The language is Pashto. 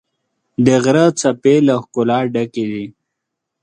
د غره څپې له ښکلا ډکې دي.